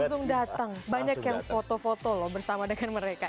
langsung datang banyak yang foto foto loh bersama dengan mereka